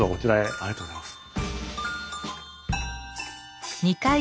ありがとうございます。